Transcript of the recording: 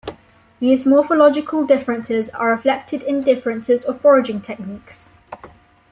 These morphological differences are reflected in differences of foraging techniques.